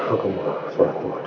aku mau selamat rumah